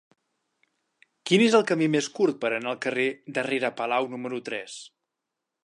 Quin és el camí més curt per anar al carrer de Rere Palau número tres?